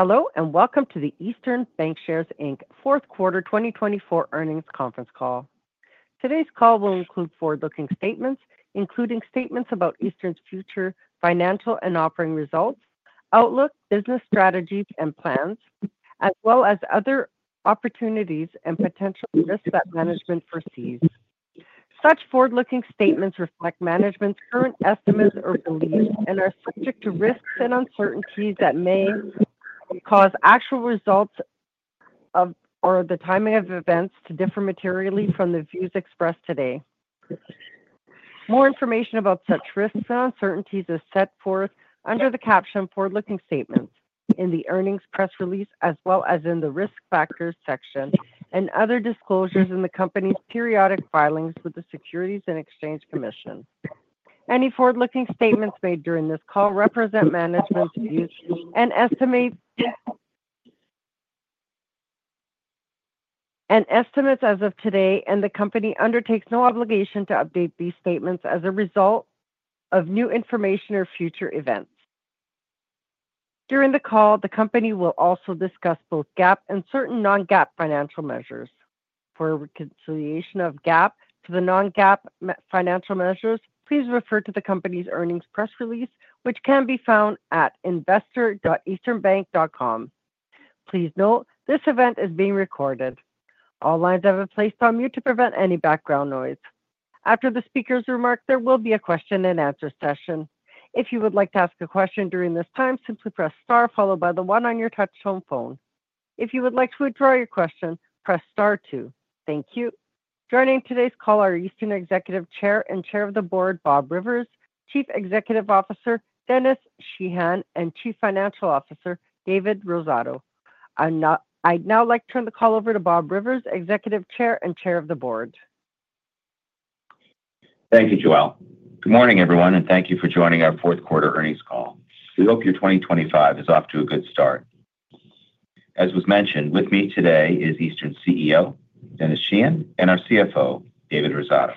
Hello, and welcome to the Eastern Bankshares, Inc. Fourth Quarter 2024 Earnings Conference Call. Today's call will include forward-looking statements, including statements about Eastern's future financial and operating results, outlook, business strategies, and plans, as well as other opportunities and potential risks that management foresees. Such forward-looking statements reflect management's current estimates or beliefs and are subject to risks and uncertainties that may cause actual results or the timing of events to differ materially from the views expressed today. More information about such risks and uncertainties is set forth under the caption "Forward-looking Statements" in the earnings press release, as well as in the risk factors section and other disclosures in the company's periodic filings with the Securities and Exchange Commission. Any forward-looking statements made during this call represent management's views and estimates as of today, and the company undertakes no obligation to update these statements as a result of new information or future events. During the call, the company will also discuss both GAAP and certain non-GAAP financial measures. For reconciliation of GAAP to the non-GAAP financial measures, please refer to the company's earnings press release, which can be found at investor.easternbank.com. Please note this event is being recorded. All lines have been placed on mute to prevent any background noise. After the speaker's remarks, there will be a question-and-answer session. If you would like to ask a question during this time, simply press star followed by the one on your touch-tone phone. If you would like to withdraw your question, press star two. Thank you. Joining today's call are Eastern Executive Chair and Chair of the Board, Bob Rivers, Chief Executive Officer, Denis Sheahan, and Chief Financial Officer, David Rosato. I'd now like to turn the call over to Bob Rivers, Executive Chair and Chair of the Board. Thank you, Joelle. Good morning, everyone, and thank you for joining our Fourth Quarter Earnings Call. We hope your 2025 is off to a good start. As was mentioned, with me today is Eastern's CEO, Denis Sheahan, and our CFO, David Rosato.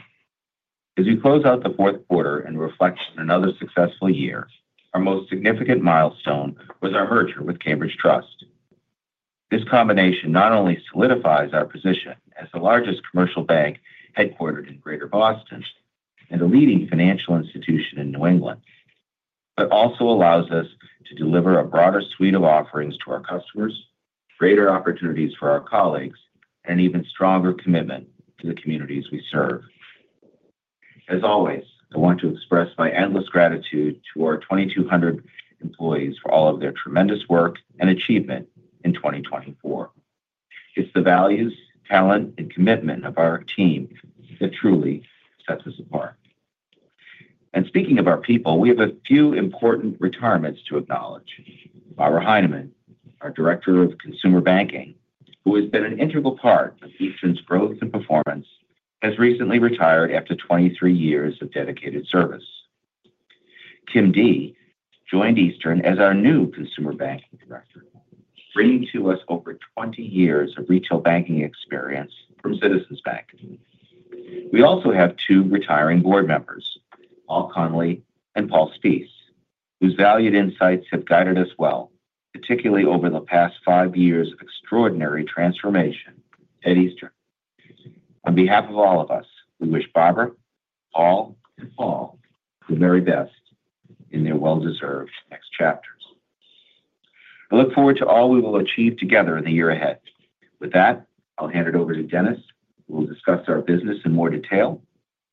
As we close out the fourth quarter and reflect on another successful year, our most significant milestone was our merger with Cambridge Trust. This combination not only solidifies our position as the largest commercial bank headquartered in Greater Boston and a leading financial institution in New England, but also allows us to deliver a broader suite of offerings to our customers, greater opportunities for our colleagues, and even stronger commitment to the communities we serve. As always, I want to express my endless gratitude to our 2,200 employees for all of their tremendous work and achievement in 2024. It's the values, talent, and commitment of our team that truly sets us apart. And speaking of our people, we have a few important retirements to acknowledge. Barbara Heinemann, our Director of Consumer Banking, who has been an integral part of Eastern's growth and performance, has recently retired after 23 years of dedicated service. Kim Dee joined Eastern as our new Consumer Banking Director, bringing to us over 20 years of retail banking experience from Citizens Bank. We also have two retiring board members, Paul Connolly and Paul Spiess, whose valued insights have guided us well, particularly over the past five years of extraordinary transformation at Eastern. On behalf of all of us, we wish Barbara, Paul, and Paul the very best in their well-deserved next chapters. I look forward to all we will achieve together in the year ahead. With that, I'll hand it over to Denis, who will discuss our business in more detail,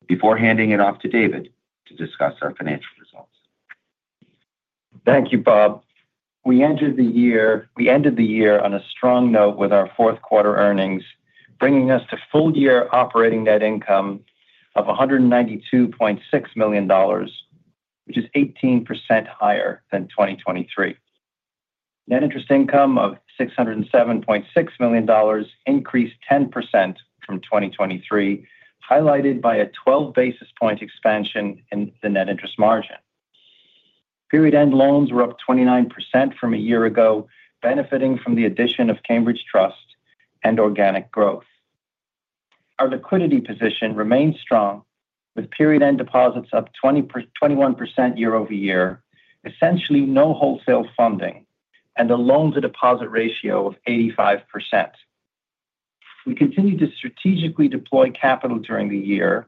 before handing it off to David to discuss our financial results. Thank you, Bob. We ended the year on a strong note with our fourth quarter earnings, bringing us to full-year operating net income of $192.6 million, which is 18% higher than 2023. Net interest income of $607.6 million increased 10% from 2023, highlighted by a 12 basis point expansion in the net interest margin. Period-end loans were up 29% from a year ago, benefiting from the addition of Cambridge Trust and organic growth. Our liquidity position remains strong, with period-end deposits up 21% YoY, essentially no wholesale funding, and a loan-to-deposit ratio of 85%. We continue to strategically deploy capital during the year,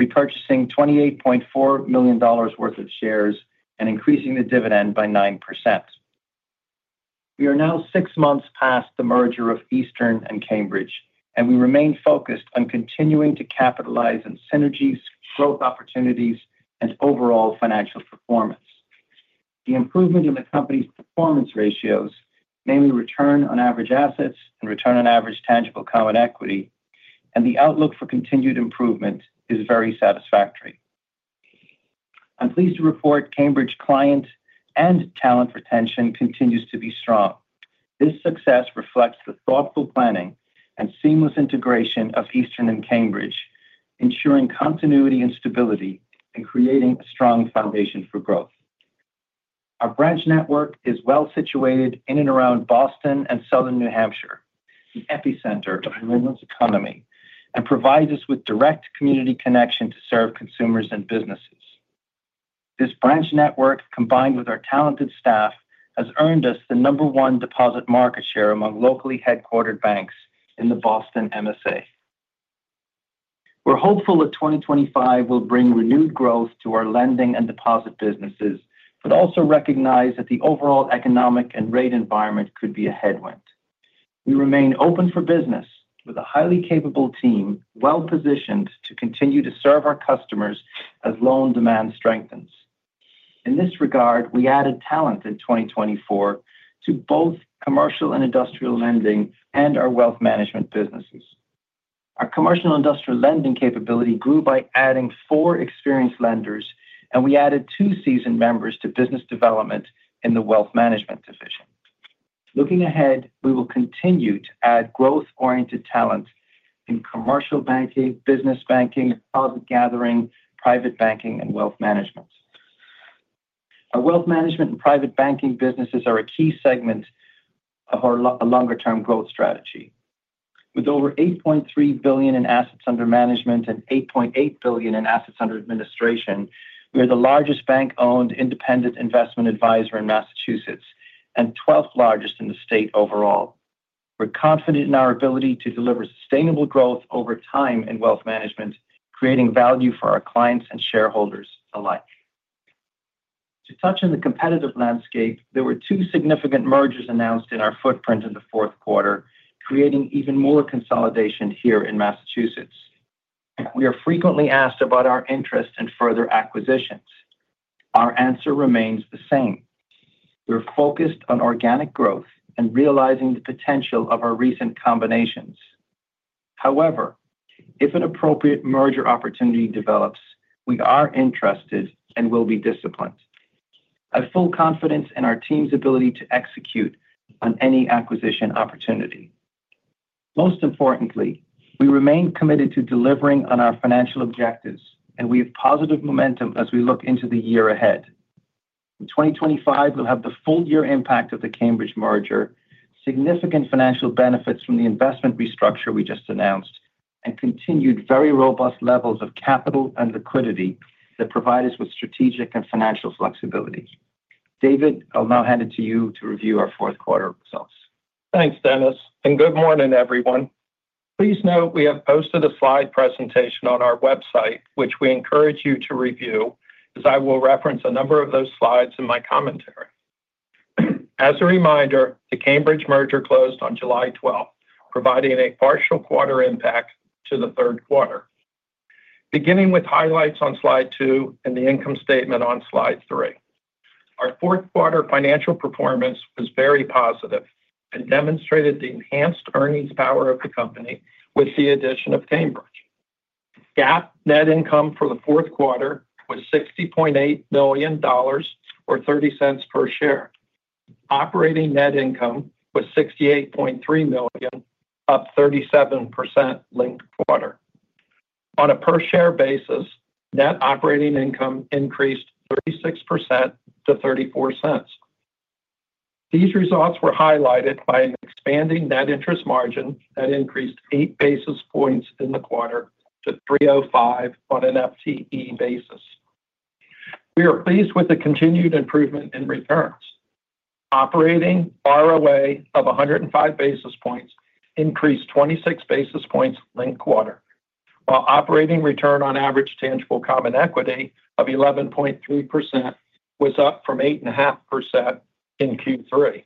repurchasing $28.4 million worth of shares and increasing the dividend by 9%. We are now six months past the merger of Eastern and Cambridge, and we remain focused on continuing to capitalize on synergies, growth opportunities, and overall financial performance. The improvement in the company's performance ratios, namely return on average assets and return on average tangible common equity, and the outlook for continued improvement is very satisfactory. I'm pleased to report Cambridge client and talent retention continues to be strong. This success reflects the thoughtful planning and seamless integration of Eastern and Cambridge, ensuring continuity and stability and creating a strong foundation for growth. Our branch network is well situated in and around Boston and Southern New Hampshire, the epicenter of New England's economy, and provides us with direct community connection to serve consumers and businesses. This branch network, combined with our talented staff, has earned us the number one deposit market share among locally headquartered banks in the Boston MSA. We're hopeful that 2025 will bring renewed growth to our lending and deposit businesses, but also recognize that the overall economic and rate environment could be a headwind. We remain open for business with a highly capable team well positioned to continue to serve our customers as loan demand strengthens. In this regard, we added talent in 2024 to both commercial and industrial lending and our wealth management businesses. Our commercial and industrial lending capability grew by adding four experienced lenders, and we added two seasoned members to business development in the wealth management division. Looking ahead, we will continue to add growth-oriented talent in commercial banking, business banking, deposit gathering, private banking, and wealth management. Our wealth management and private banking businesses are a key segment of our longer-term growth strategy. With over $8.3 billion in assets under management and $8.8 billion in assets under administration, we are the largest bank-owned independent investment advisor in Massachusetts and 12th largest in the state overall. We're confident in our ability to deliver sustainable growth over time in wealth management, creating value for our clients and shareholders alike. To touch on the competitive landscape, there were two significant mergers announced in our footprint in the fourth quarter, creating even more consolidation here in Massachusetts. We are frequently asked about our interest in further acquisitions. Our answer remains the same. We're focused on organic growth and realizing the potential of our recent combinations. However, if an appropriate merger opportunity develops, we are interested and will be disciplined. I have full confidence in our team's ability to execute on any acquisition opportunity. Most importantly, we remain committed to delivering on our financial objectives, and we have positive momentum as we look into the year ahead. In 2025, we'll have the full-year impact of the Cambridge merger, significant financial benefits from the investment restructure we just announced, and continued very robust levels of capital and liquidity that provide us with strategic and financial flexibility. David, I'll now hand it to you to review our fourth quarter results. Thanks, Denis. And good morning, everyone. Please note we have posted a slide presentation on our website, which we encourage you to review, as I will reference a number of those slides in my commentary. As a reminder, the Cambridge merger closed on July 12th, providing a partial quarter impact to the third quarter, beginning with highlights on slide 2 and the income statement on slide 3. Our fourth quarter financial performance was very positive and demonstrated the enhanced earnings power of the company with the addition of Cambridge. GAAP net income for the fourth quarter was $60.8 million or $0.30 per share. Operating net income was $68.3 million, up 37% linked quarter. On a per-share basis, net operating income increased 36% to $0.34. These results were highlighted by an expanding net interest margin that increased eight basis points in the quarter to 305 on an FTE basis. We are pleased with the continued improvement in returns. Operating ROA of 105 basis points increased 26 basis points linked quarter, while operating return on average tangible common equity of 11.3% was up from 8.5% in Q3.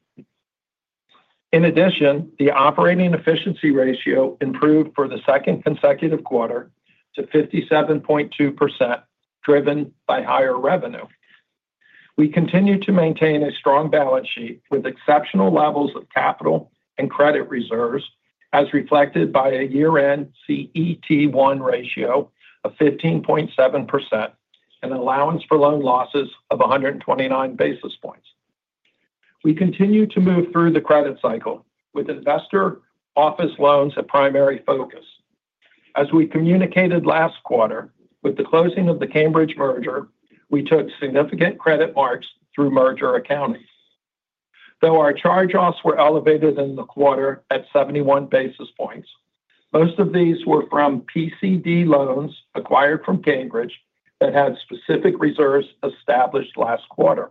In addition, the operating efficiency ratio improved for the second consecutive quarter to 57.2%, driven by higher revenue. We continue to maintain a strong balance sheet with exceptional levels of capital and credit reserves, as reflected by a year-end CET1 ratio of 15.7% and an allowance for loan losses of 129 basis points. We continue to move through the credit cycle with investor office loans a primary focus. As we communicated last quarter, with the closing of the Cambridge merger, we took significant credit marks through merger accounting. Though our charge-offs were elevated in the quarter at 71 basis points, most of these were from PCD loans acquired from Cambridge that had specific reserves established last quarter.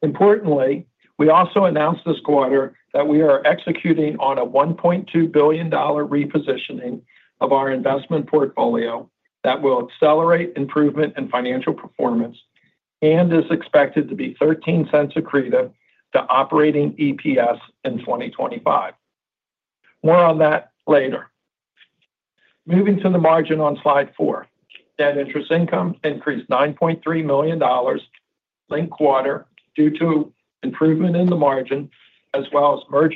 Importantly, we also announced this quarter that we are executing on a $1.2 billion repositioning of our investment portfolio that will accelerate improvement in financial performance and is expected to be 13 cents accretive to operating EPS in 2025. More on that later. Moving to the margin on slide 4, net interest income increased $9.3 million linked quarter due to improvement in the margin, as well as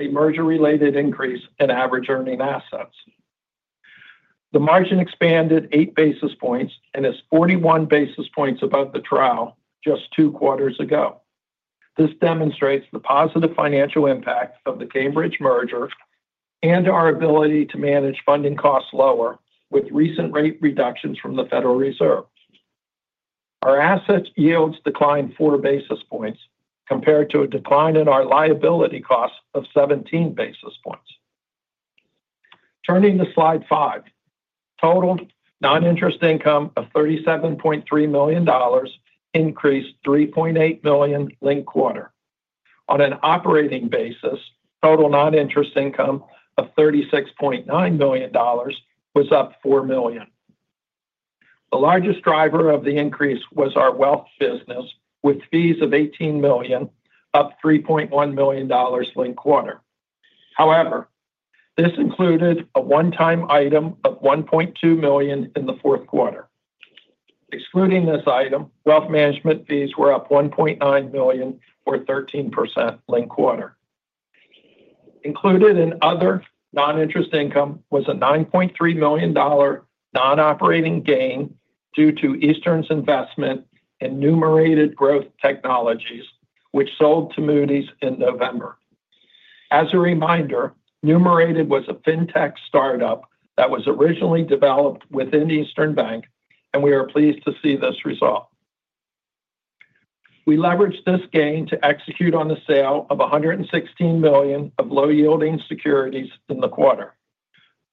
a merger-related increase in average earning assets. The margin expanded eight basis points and is 41 basis points above the trough just two quarters ago. This demonstrates the positive financial impact of the Cambridge merger and our ability to manage funding costs lower with recent rate reductions from the Federal Reserve. Our asset yields declined four basis points compared to a decline in our liability costs of 17 basis points. Turning to slide 5, total non-interest income of $37.3 million increased $3.8 million linked quarter. On an operating basis, total non-interest income of $36.9 million was up $4 million. The largest driver of the increase was our wealth business, with fees of $18 million, up $3.1 million linked quarter. However, this included a one-time item of $1.2 million in the fourth quarter. Excluding this item, wealth management fees were up $1.9 million, or 13% linked quarter. Included in other non-interest income was a $9.3 million non-operating gain due to Eastern's investment in Numerated Growth Technologies, which sold to Moody's in November. As a reminder, Numerated was a fintech startup that was originally developed within Eastern Bank, and we are pleased to see this result. We leveraged this gain to execute on the sale of $116 million of low-yielding securities in the quarter,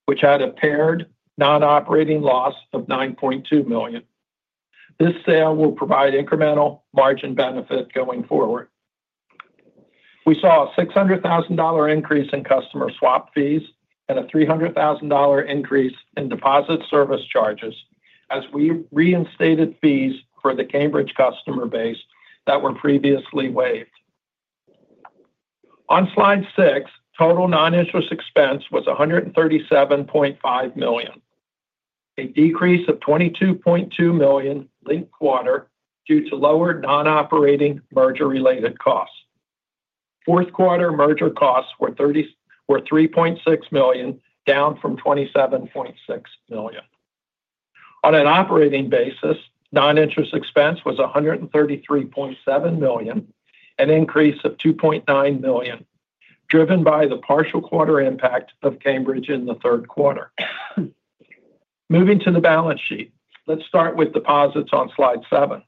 which had a paired non-operating loss of $9.2 million. This sale will provide incremental margin benefit going forward. We saw a $600,000 increase in customer swap fees and a $300,000 increase in deposit service charges as we reinstated fees for the Cambridge customer base that were previously waived. On slide 6, total non-interest expense was $137.5 million, a decrease of $22.2 million linked quarter due to lower non-operating merger-related costs. Fourth quarter merger costs were $3.6 million, down from $27.6 million. On an operating basis, non-interest expense was $133.7 million, an increase of $2.9 million, driven by the partial quarter impact of Cambridge in the third quarter. Moving to the balance sheet, let's start with deposits on slide 7.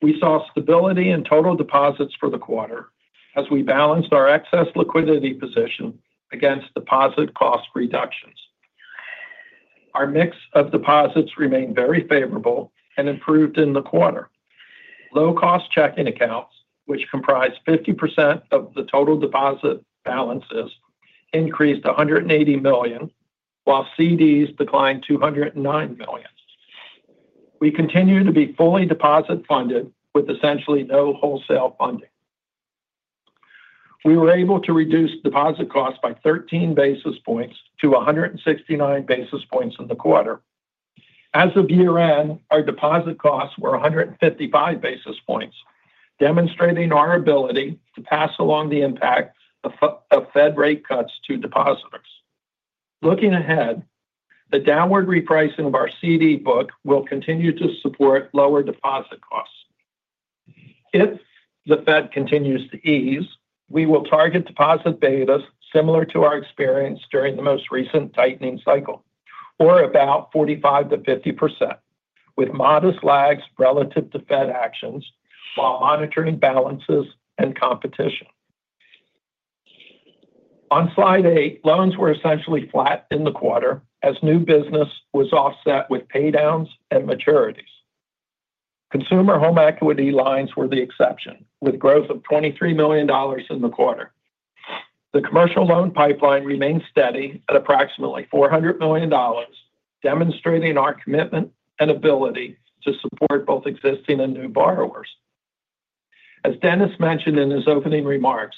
We saw stability in total deposits for the quarter as we balanced our excess liquidity position against deposit cost reductions. Our mix of deposits remained very favorable and improved in the quarter. Low-cost checking accounts, which comprised 50% of the total deposit balances, increased $180 million, while CDs declined $209 million. We continue to be fully deposit-funded with essentially no wholesale funding. We were able to reduce deposit costs by 13 basis points to 169 basis points in the quarter. As of year-end, our deposit costs were 155 basis points, demonstrating our ability to pass along the impact of Fed rate cuts to depositors. Looking ahead, the downward repricing of our CD book will continue to support lower deposit costs. If the Fed continues to ease, we will target deposit betas similar to our experience during the most recent tightening cycle, or about 45%-50%, with modest lags relative to Fed actions while monitoring balances and competition. On slide 8, loans were essentially flat in the quarter as new business was offset with paydowns and maturities. Consumer home equity lines were the exception, with growth of $23 million in the quarter. The commercial loan pipeline remained steady at approximately $400 million, demonstrating our commitment and ability to support both existing and new borrowers. As Denis mentioned in his opening remarks,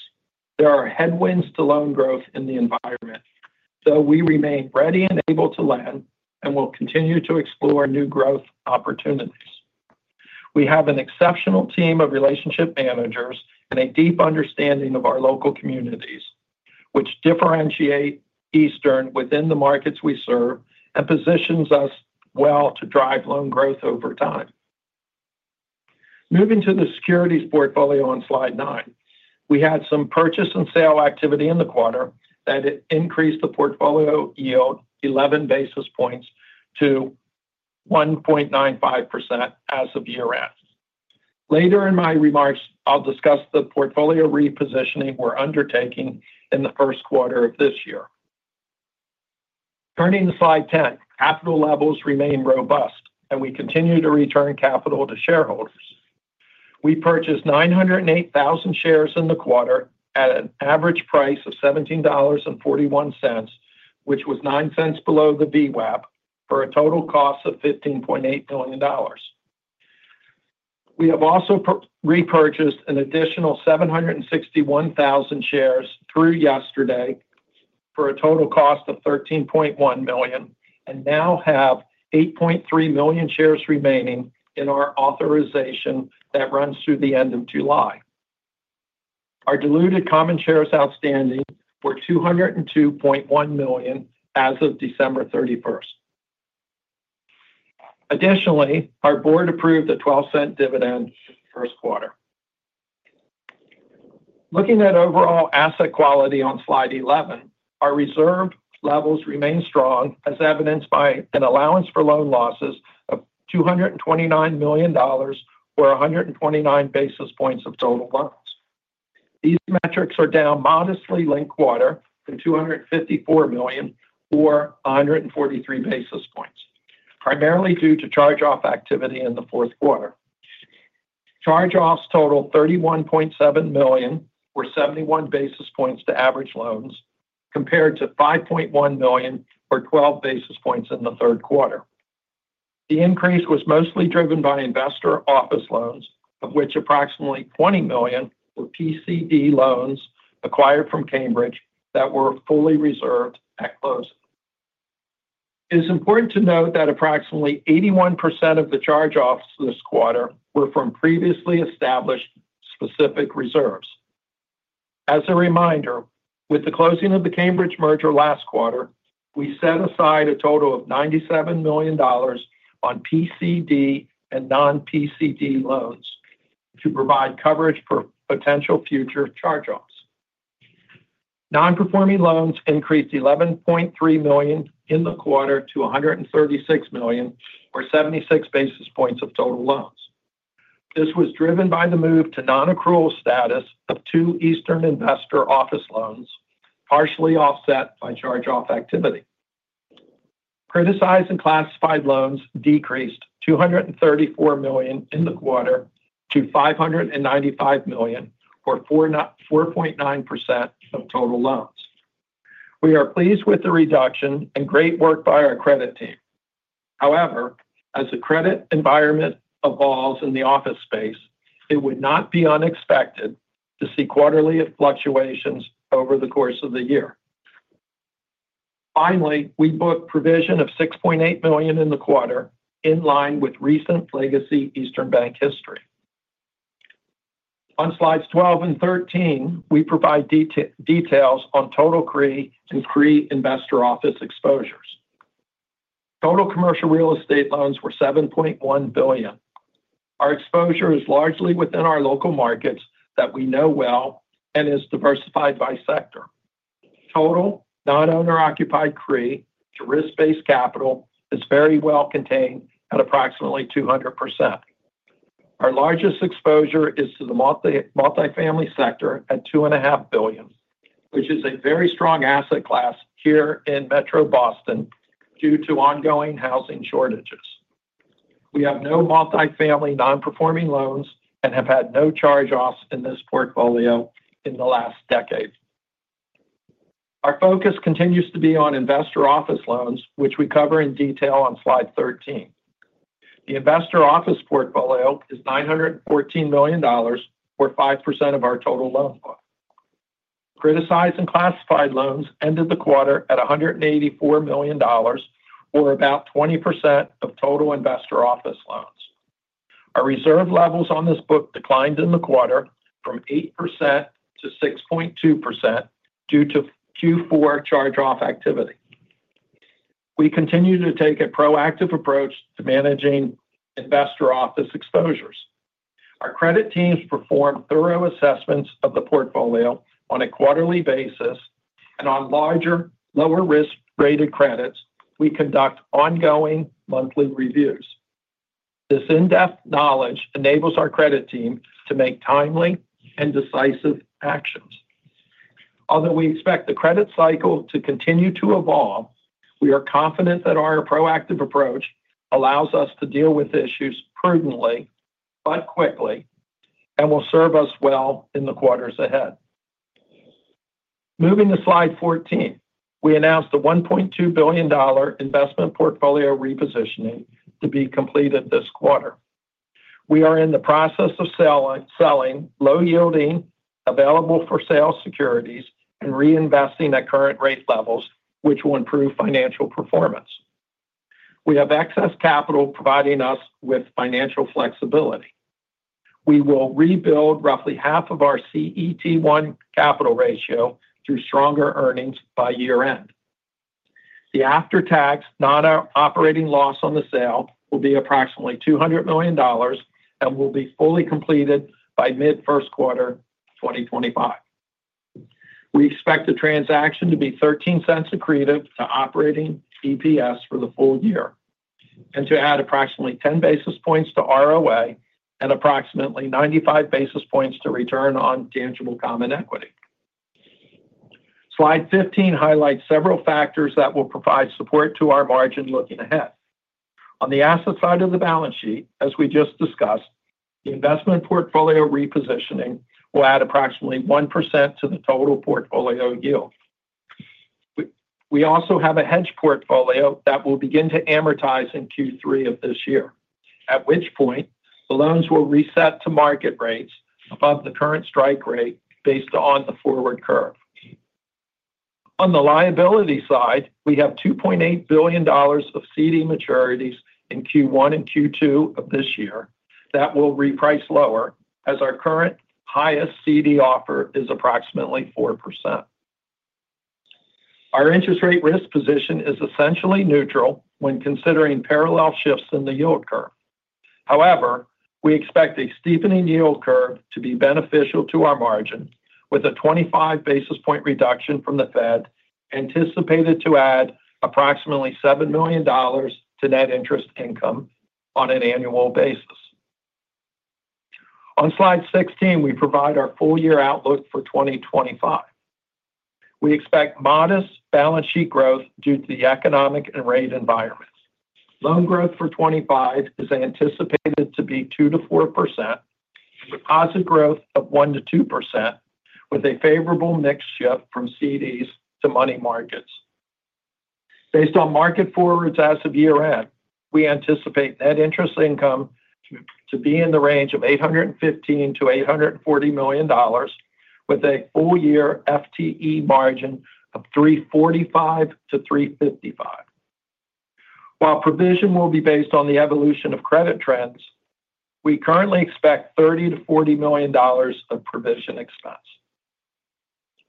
there are headwinds to loan growth in the environment, though we remain ready and able to lend and will continue to explore new growth opportunities. We have an exceptional team of relationship managers and a deep understanding of our local communities, which differentiate Eastern within the markets we serve and positions us well to drive loan growth over time. Moving to the securities portfolio on slide 9, we had some purchase and sale activity in the quarter that increased the portfolio yield 11 basis points to 1.95% as of year-end. Later in my remarks, I'll discuss the portfolio repositioning we're undertaking in the first quarter of this year. Turning to slide 10, capital levels remain robust, and we continue to return capital to shareholders. We purchased 908,000 shares in the quarter at an average price of $17.41, which was $0.09 below the VWAP for a total cost of $15.8 million. We have also repurchased an additional 761,000 shares through yesterday for a total cost of $13.1 million and now have 8.3 million shares remaining in our authorization that runs through the end of July. Our diluted common shares outstanding were 202.1 million as of December 31st. Additionally, our board approved a $0.12 dividend in the first quarter. Looking at overall asset quality on slide 11, our reserve levels remain strong, as evidenced by an allowance for loan losses of $229 million, or 129 basis points of total loans. These metrics are down modestly linked quarter to $254 million, or 143 basis points, primarily due to charge-off activity in the fourth quarter. Charge-offs totaled $31.7 million, or 71 basis points to average loans, compared to $5.1 million, or 12 basis points in the third quarter. The increase was mostly driven by investor office loans, of which approximately $20 million were PCD loans acquired from Cambridge that were fully reserved at closing. It is important to note that approximately 81% of the charge-offs this quarter were from previously established specific reserves. As a reminder, with the closing of the Cambridge merger last quarter, we set aside a total of $97 million on PCD and non-PCD loans to provide coverage for potential future charge-offs. Non-performing loans increased $11.3 million in the quarter to $136 million, or 76 basis points of total loans. This was driven by the move to non-accrual status of two Eastern investor office loans, partially offset by charge-off activity. Criticized and classified loans decreased $234 million in the quarter to $595 million, or 4.9% of total loans. We are pleased with the reduction and great work by our credit team. However, as the credit environment evolves in the office space, it would not be unexpected to see quarterly fluctuations over the course of the year. Finally, we booked provision of $6.8 million in the quarter, in line with recent legacy Eastern Bank history. On slides 12 and 13, we provide details on total CRE and CRE investor office exposures. Total commercial real estate loans were $7.1 billion. Our exposure is largely within our local markets that we know well and is diversified by sector. Total non-owner-occupied CRE to risk-based capital is very well contained at approximately 200%. Our largest exposure is to the multifamily sector at $2.5 billion, which is a very strong asset class here in Metro Boston due to ongoing housing shortages. We have no multifamily non-performing loans and have had no charge-offs in this portfolio in the last decade. Our focus continues to be on investor office loans, which we cover in detail on slide 13. The investor office portfolio is $914 million, or 5% of our total loan fund. Criticized and classified loans ended the quarter at $184 million, or about 20% of total investor office loans. Our reserve levels on this book declined in the quarter from 8% to 6.2% due to Q4 charge-off activity. We continue to take a proactive approach to managing investor office exposures. Our credit teams perform thorough assessments of the portfolio on a quarterly basis, and on larger, lower-risk-rated credits, we conduct ongoing monthly reviews. This in-depth knowledge enables our credit team to make timely and decisive actions. Although we expect the credit cycle to continue to evolve, we are confident that our proactive approach allows us to deal with issues prudently but quickly and will serve us well in the quarters ahead. Moving to slide 14, we announced a $1.2 billion investment portfolio repositioning to be completed this quarter. We are in the process of selling low-yielding, available-for-sale securities and reinvesting at current rate levels, which will improve financial performance. We have excess capital providing us with financial flexibility. We will rebuild roughly half of our CET1 capital ratio through stronger earnings by year-end. The after-tax non-operating loss on the sale will be approximately $200 million and will be fully completed by mid-first quarter 2025. We expect the transaction to be $0.13 accretive to operating EPS for the full year and to add approximately 10 basis points to ROA and approximately 95 basis points to return on tangible common equity. Slide 15 highlights several factors that will provide support to our margin looking ahead. On the asset side of the balance sheet, as we just discussed, the investment portfolio repositioning will add approximately 1% to the total portfolio yield. We also have a hedge portfolio that will begin to amortize in Q3 of this year, at which point the loans will reset to market rates above the current strike rate based on the forward curve. On the liability side, we have $2.8 billion of CD maturities in Q1 and Q2 of this year that will reprice lower as our current highest CD offer is approximately 4%. Our interest rate risk position is essentially neutral when considering parallel shifts in the yield curve. However, we expect a steepening yield curve to be beneficial to our margin, with a 25 basis point reduction from the Fed anticipated to add approximately $7 million to net interest income on an annual basis. On slide 16, we provide our full-year outlook for 2025. We expect modest balance sheet growth due to the economic and rate environments. Loan growth for 2025 is anticipated to be 2%-4%, deposit growth of 1%-2%, with a favorable mix shift from CDs to money markets. Based on market forwards as of year-end, we anticipate net interest income to be in the range of $815 million-$840 million, with a full-year FTE margin of $345 million-$355 million. While provision will be based on the evolution of credit trends, we currently expect $30 million-$40 million of provision expense.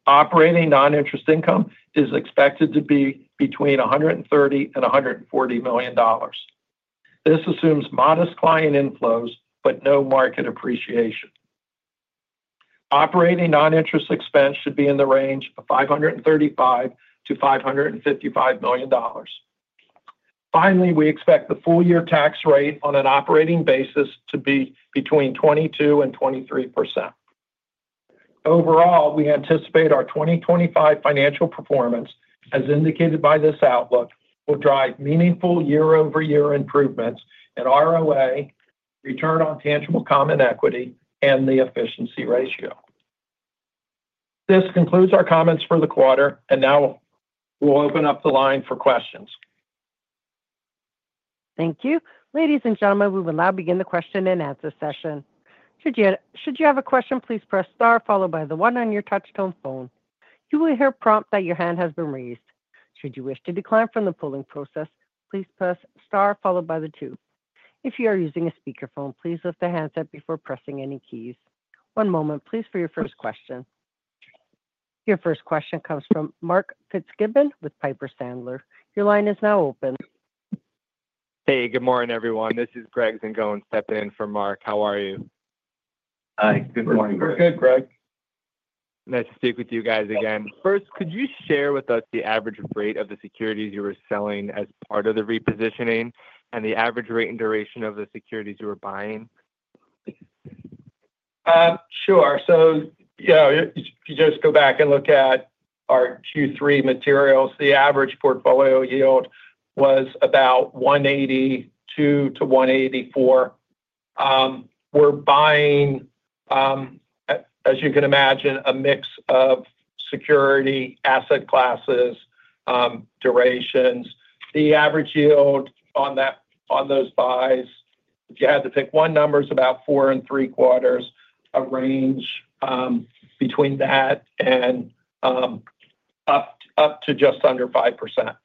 Operating non-interest income is expected to be between $130 million and $140 million. This assumes modest client inflows but no market appreciation. Operating non-interest expense should be in the range of $535 million-$555 million. Finally, we expect the full-year tax rate on an operating basis to be between 22% and 23%. Overall, we anticipate our 2025 financial performance, as indicated by this outlook, will drive meaningful year-over-year improvements in ROA, return on tangible common equity, and the efficiency ratio. This concludes our comments for the quarter, and now we'll open up the line for questions. Thank you. Ladies and gentlemen, we will now begin the question and answer session. Should you have a question, please press star, followed by the one on your touch-tone phone. You will hear a prompt that your hand has been raised. Should you wish to decline from the polling process, please press star, followed by the two. If you are using a speakerphone, please lift the handset before pressing any keys. One moment, please, for your first question. Your first question comes from Mark Fitzgerald with Piper Sandler. Your line is now open. Hey, good morning, everyone. This is Greg Zingone stepping in for Mark. How are you? Hi, good morning, Greg. Good, Greg. Nice to speak with you guys again. First, could you share with us the average rate of the securities you were selling as part of the repositioning and the average rate and duration of the securities you were buying? Sure. So if you just go back and look at our Q3 materials, the average portfolio yield was about 182-184. We're buying, as you can imagine, a mix of security asset classes, durations. The average yield on those buys, if you had to pick one number, is about 4.75%, a range between that and up to just under 5%.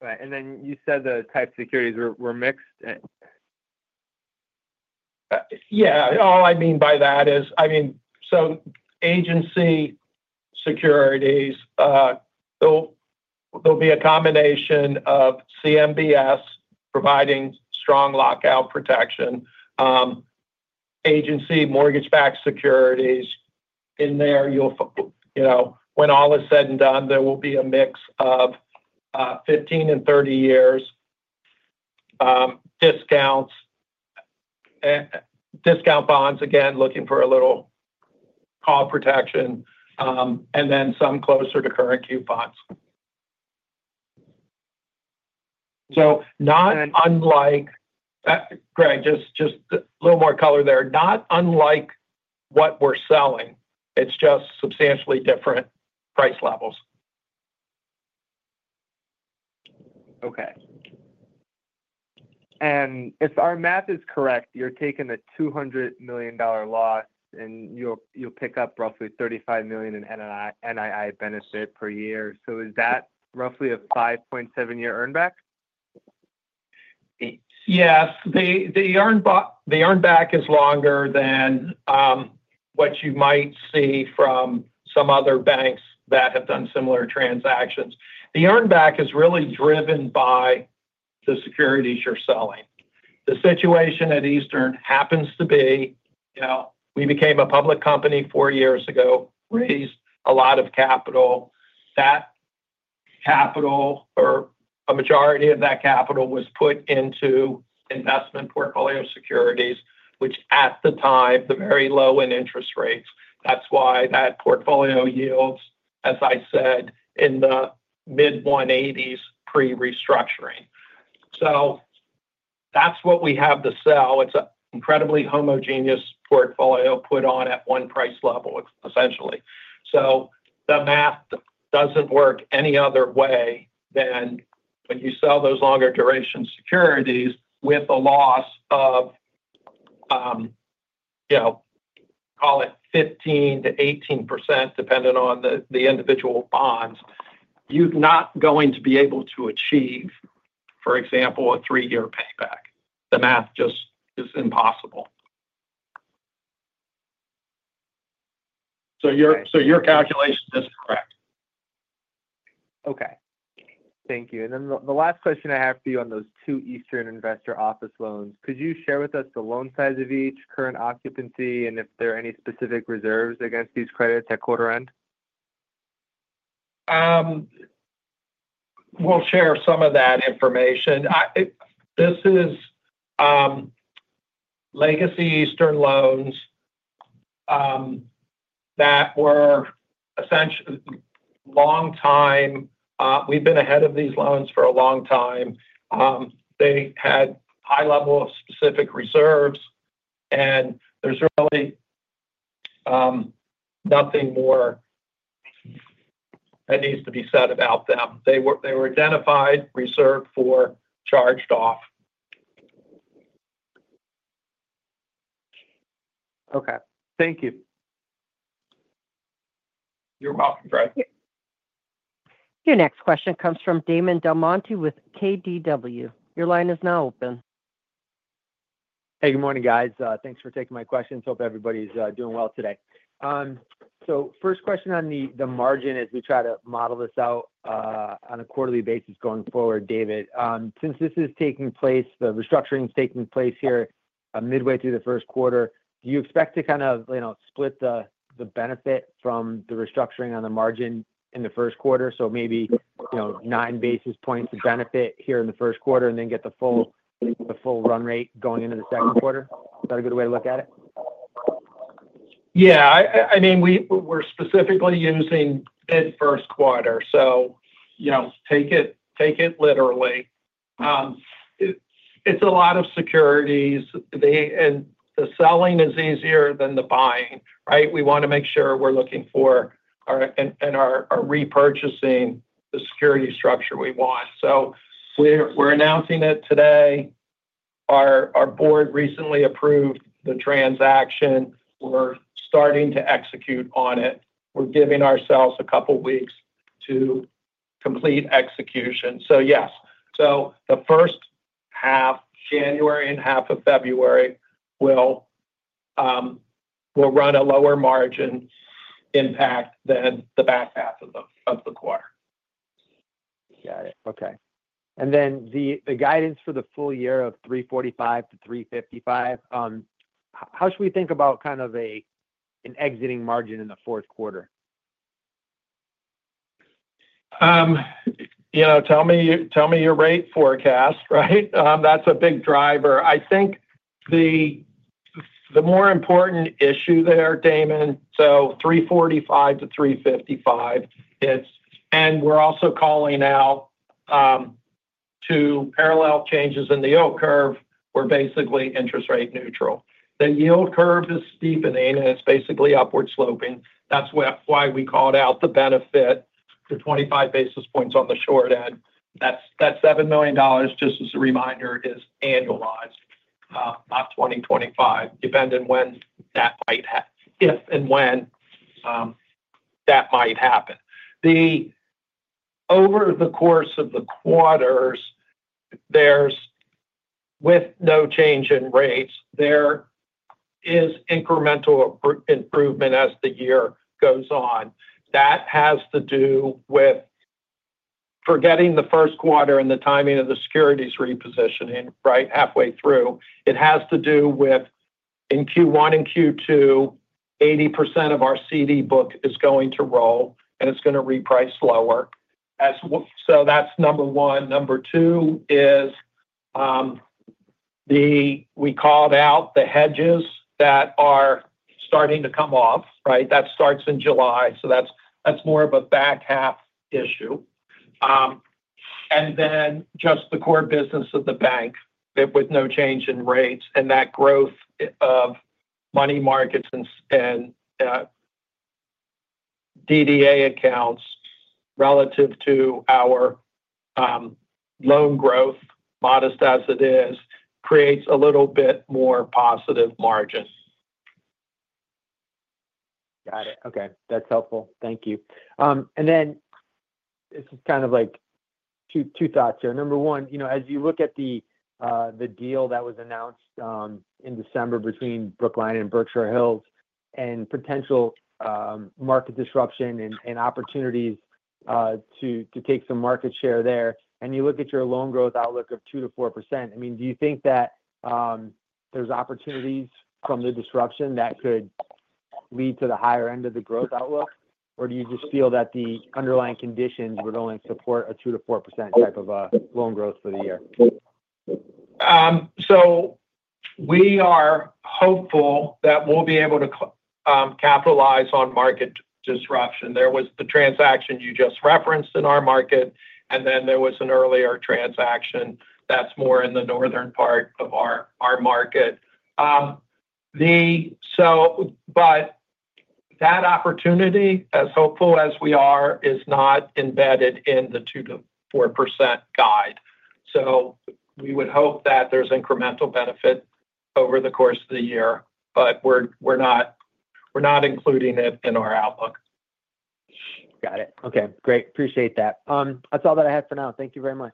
Right. And then you said the type securities were mixed? Yeah. All I mean by that is, I mean, so agency securities, there'll be a combination of CMBS providing strong lockout protection, agency mortgage-backed securities. In there, when all is said and done, there will be a mix of 15-year and 30-year discount bonds, again, looking for a little call protection, and then some closer to current coupons. So not unlike. Greg, just a little more color there. Not unlike what we're selling. It's just substantially different price levels. Okay. If our math is correct, you're taking a $200 million loss, and you'll pick up roughly $35 million in NII benefit per year. So is that roughly a 5.7-year earnback? Yes. The earnback is longer than what you might see from some other banks that have done similar transactions. The earnback is really driven by the securities you're selling. The situation at Eastern happens to be we became a public company four years ago, raised a lot of capital. That capital, or a majority of that capital, was put into investment portfolio securities, which at the time were very low interest rates. That's why that portfolio yields, as I said, in the mid-180s pre-restructuring. So that's what we have to sell. It's an incredibly homogeneous portfolio put on at one price level, essentially. So the math doesn't work any other way than when you sell those longer-duration securities with a loss of, call it, 15%-18%, depending on the individual bonds. You're not going to be able to achieve, for example, a three-year payback. The math just is impossible. So your calculation is correct. Okay. Thank you. And then the last question I have for you on those two Eastern investor office loans. Could you share with us the loan size of each, current occupancy, and if there are any specific reserves against these credits at quarter end? We'll share some of that information. This is legacy Eastern loans that were long-time. We've been ahead of these loans for a long time. They had high-level specific reserves, and there's really nothing more that needs to be said about them. They were identified, reserved for, charged off. Okay. Thank you. You're welcome, Greg. Your next question comes from Damon Del Monte with KBW. Your line is now open. Hey, good morning, guys. Thanks for taking my questions. Hope everybody's doing well today. So first question on the margin as we try to model this out on a quarterly basis going forward, David. Since this is taking place, the restructuring is taking place here midway through the first quarter, do you expect to kind of split the benefit from the restructuring on the margin in the first quarter? So maybe nine basis points of benefit here in the first quarter and then get the full run rate going into the second quarter. Is that a good way to look at it? Yeah. I mean, we're specifically using mid-first quarter. So take it literally. It's a lot of securities, and the selling is easier than the buying, right? We want to make sure we're looking for and are repurchasing the security structure we want. So we're announcing it today. Our board recently approved the transaction. We're starting to execute on it. We're giving ourselves a couple of weeks to complete execution. So yes. So the first half, January and half of February, will run a lower margin impact than the back half of the quarter. Got it. Okay. And then the guidance for the full year of 345-355, how should we think about kind of an exiting margin in the fourth quarter? Tell me your rate forecast, right? That's a big driver. I think the more important issue there, Damon, so 345-355, it's and we're also calling out two parallel changes in the yield curve. We're basically interest rate neutral. The yield curve is steepening, and it's basically upward sloping. That's why we called out the benefit, the 25 basis points on the short end. That $7 million, just as a reminder, is annualized, not 2025, depending when that might, if and when that might happen. Over the course of the quarters, there's, with no change in rates, there is incremental improvement as the year goes on. That has to do with, forgetting the first quarter and the timing of the securities repositioning, right, halfway through, it has to do with, in Q1 and Q2, 80% of our CD book is going to roll, and it's going to reprice lower. So that's number one. Number two is we called out the hedges that are starting to come off, right? That starts in July. So that's more of a back half issue. And then just the core business of the bank with no change in rates and that growth of money markets and DDA accounts relative to our loan growth, modest as it is, creates a little bit more positive margin. Got it. Okay. That's helpful. Thank you. And then this is kind of like two thoughts here. Number one, as you look at the deal that was announced in December between Brookline and Berkshire Hills and potential market disruption and opportunities to take some market share there, and you look at your loan growth outlook of 2%-4%, I mean, do you think that there's opportunities from the disruption that could lead to the higher end of the growth outlook, or do you just feel that the underlying conditions would only support a 2%-4% type of loan growth for the year? So we are hopeful that we'll be able to capitalize on market disruption. There was the transaction you just referenced in our market, and then there was an earlier transaction that's more in the northern part of our market. But that opportunity, as hopeful as we are, is not embedded in the 2% to 4% guide. So we would hope that there's incremental benefit over the course of the year, but we're not including it in our outlook. Got it. Okay. Great. Appreciate that. That's all that I have for now. Thank you very much.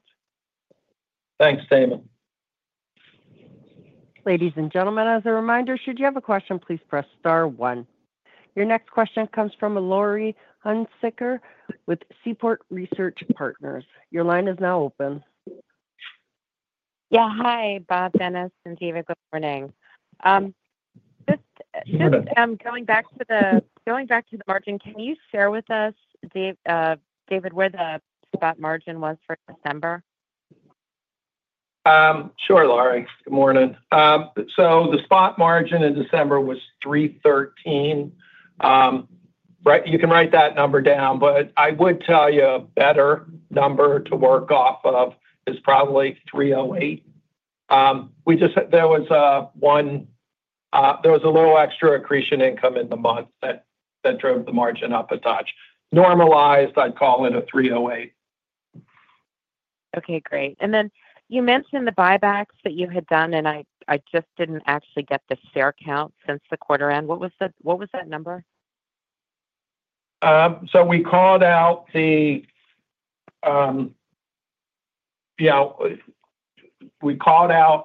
Thanks, Damon. Ladies and gentlemen, as a reminder, should you have a question, please press star, one. Your next question comes from Laurie Hunsiker with Seaport Research Partners. Your line is now open. Yeah. Hi, Bob, Denis, and David. Good morning. Just going back to the margin, can you share with us, David, where the spot margin was for December? Sure, Laurie. Good morning. So the spot margin in December was 3.13. You can write that number down, but I would tell you a better number to work off of is probably 3.08. There was a little extra accretion income in the month that drove the margin up a touch. Normalized, I'd call it a 3.08. Okay. Great. And then you mentioned the buybacks that you had done, and I just didn't actually get the share count since the quarter end. What was that number? So we called out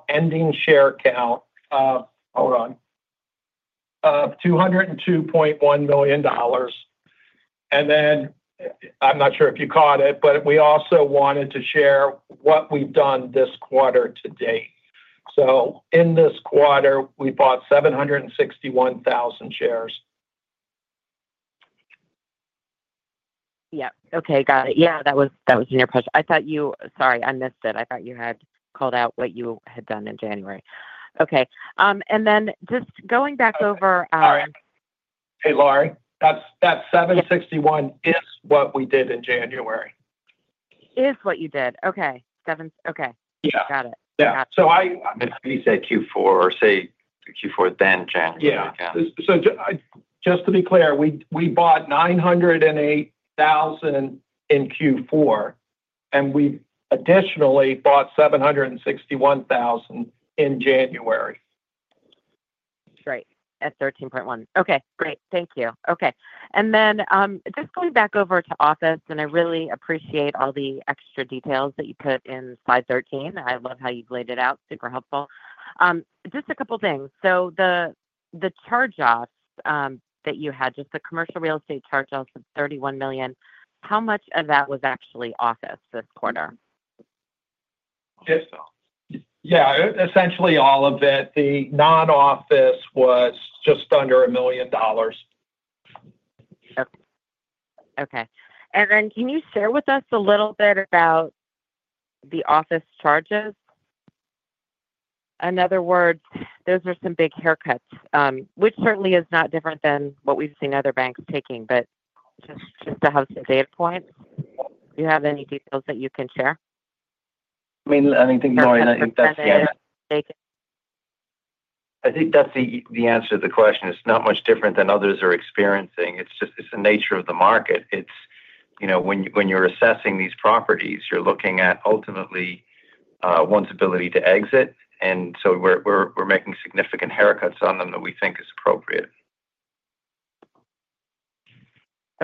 ending share count of 202.1 million. And then I'm not sure if you caught it, but we also wanted to share what we've done this quarter to date. So in this quarter, we bought 761,000 shares. Yep. Okay. Got it. Yeah. That was in your question. I thought you—sorry, I missed it. I thought you had called out what you had done in January. Okay. And then just going back over— Sorry. Hey, Laurie. That $761,000 is what we did in January. Is what you did. Okay. Okay. Got it. Yeah. So I—I mean. you said Q4, say Q4 then January. Yeah. So just to be clear, we bought $908,000 in Q4, and we additionally bought $761,000 in January. Right. At 13.1. Okay. Great. Thank you. Okay. And then just going back over to office, and I really appreciate all the extra details that you put in slide 13. I love how you've laid it out. Super helpful. Just a couple of things. So the charge-offs that you had, just the commercial real estate charge-off of $31 million, how much of that was actually office this quarter? Yeah. Essentially all of it. The non-office was just under $1 million. Okay. And then can you share with us a little bit about the office charges? In other words, those are some big haircuts, which certainly is not different than what we've seen other banks taking, but just to have some data points. Do you have any details that you can share? I mean, [I think Laurie] I think that's the answer. I think that's the answer to the question. It's not much different than others are experiencing. It's the nature of the market. When you're assessing these properties, you're looking at ultimately one's ability to exit. And so we're making significant haircuts on them that we think is appropriate.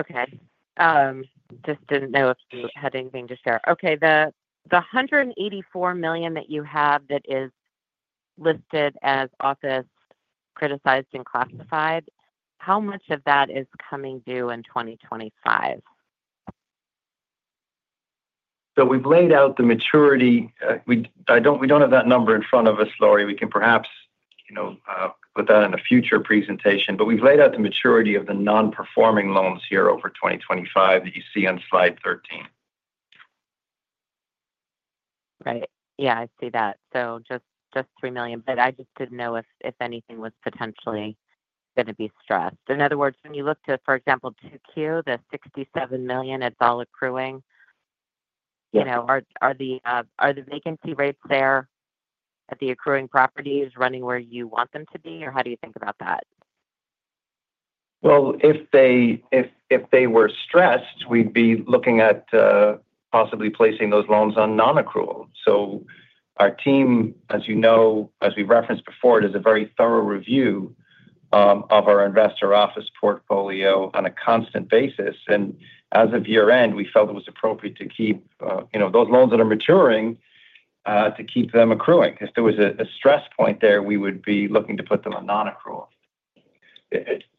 Okay. Just didn't know if you had anything to share. Okay. The $184 million that you have that is listed as office criticized and classified, how much of that is coming due in 2025? So we've laid out the maturity. We don't have that number in front of us, Laurie. We can perhaps put that in a future presentation. But we've laid out the maturity of the non-performing loans here over 2025 that you see on slide 13. Right. Yeah. I see that. So just $3 million. But I just didn't know if anything was potentially going to be stressed. In other words, when you look to, for example, 2Q, the $67 million below accruing, are the vacancy rates there at the accruing properties running where you want them to be, or how do you think about that? Well, if they were stressed, we'd be looking at possibly placing those loans on non-accrual. So our team, as you know, as we referenced before, does a very thorough review of our investor office portfolio on a constant basis. And as of year-end, we felt it was appropriate to keep those loans that are maturing to keep them accruing. If there was a stress point there, we would be looking to put them on non-accrual.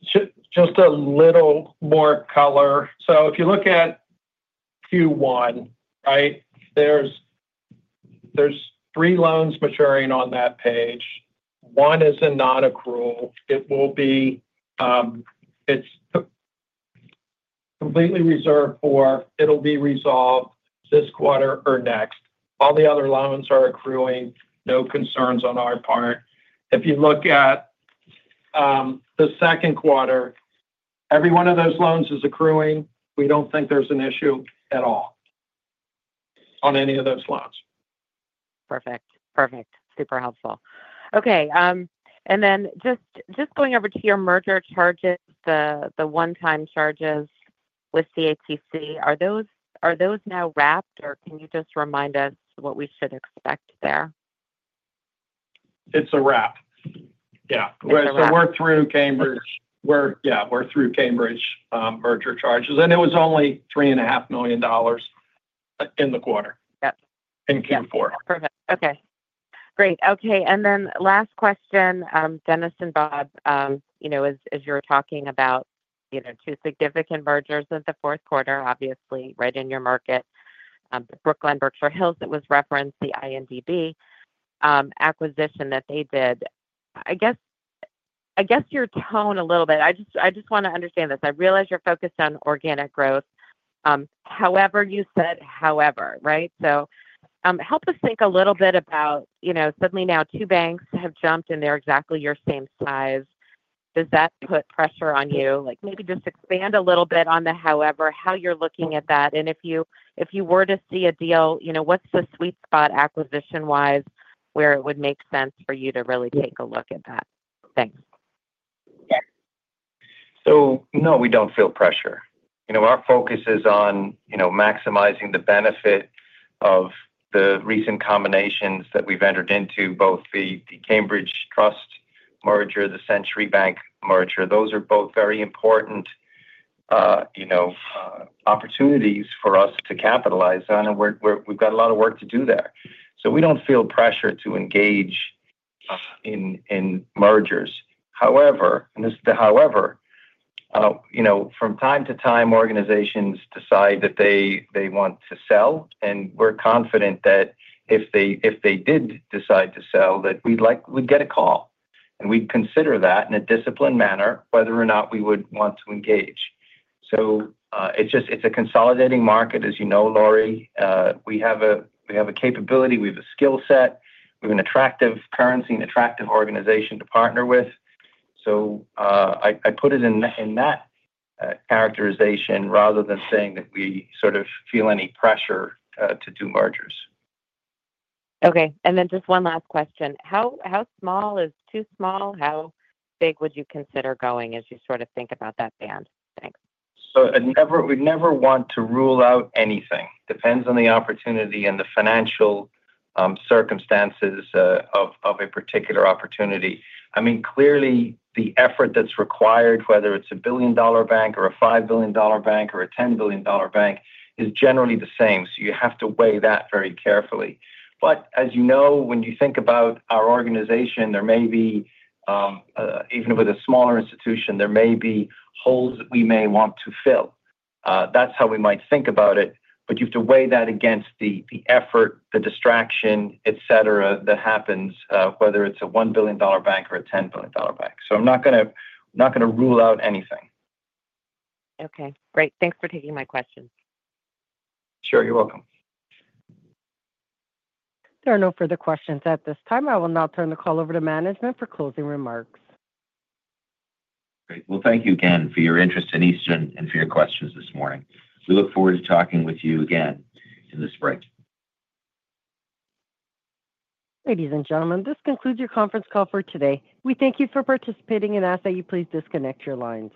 Just a little more color. So if you look at Q1, right, there's three loans maturing on that page. One is a non-accrual. It's completely reserved for. It'll be resolved this quarter or next. All the other loans are accruing. No concerns on our part. If you look at the second quarter, every one of those loans is accruing. We don't think there's an issue at all on any of those loans. Perfect. Perfect. Super helpful. Okay. Then just going over to your merger charges, the one-time charges with Cambridge, are those now wrapped, or can you just remind us what we should expect there? It's a wrap. Yeah. So we're through Cambridge. Yeah. We're through Cambridge merger charges. And it was only $3.5 million in the quarter in Q4. Perfect. Okay. Great. Okay. Then last question, Denis and Bob, as you were talking about two significant mergers in the fourth quarter, obviously, right in your market, Brookline, Berkshire Hills that was referenced, the INDB acquisition that they did. I guess your tone a little bit. I just want to understand this. I realize you're focused on organic growth. However, you said however, right? So help us think a little bit about suddenly now two banks have jumped and they're exactly your same size. Does that put pressure on you? Maybe just expand a little bit on the however, how you're looking at that and if you were to see a deal, what's the sweet spot acquisition-wise where it would make sense for you to really take a look at that? Thanks. So, no, we don't feel pressure. Our focus is on maximizing the benefit of the recent combinations that we've entered into, both the Cambridge Trust merger, the Century Bank merger. Those are both very important opportunities for us to capitalize on, and we've got a lot of work to do there, so we don't feel pressure to engage in mergers. However, and this is the however, from time to time, organizations decide that they want to sell, and we're confident that if they did decide to sell, that we'd get a call, and we'd consider that in a disciplined manner whether or not we would want to engage. So it's a consolidating market, as you know, Laurie. We have a capability. We have a skill set. We have an attractive currency and attractive organization to partner with. So I put it in that characterization rather than saying that we sort of feel any pressure to do mergers. Okay. And then just one last question. How small is too small? How big would you consider going as you sort of think about that band? Thanks. So we never want to rule out anything. Depends on the opportunity and the financial circumstances of a particular opportunity. I mean, clearly, the effort that's required, whether it's a billion-dollar bank or a 5-billion-dollar bank or a 10-billion-dollar bank, is generally the same. So you have to weigh that very carefully. But as you know, when you think about our organization, there may be, even with a smaller institution, there may be holes that we may want to fill. That's how we might think about it. But you have to weigh that against the effort, the distraction, etc., that happens whether it's a one-billion-dollar bank or a ten-billion-dollar bank. So I'm not going to rule out anything. Okay. Great. Thanks for taking my question. Sure. You're welcome. There are no further questions at this time. I will now turn the call over to management for closing remarks. Great. Well, thank you again for your interest in Eastern and for your questions this morning. We look forward to talking with you again in the spring. Ladies and gentlemen, this concludes your conference call for today. We thank you for participating and ask that you please disconnect your lines.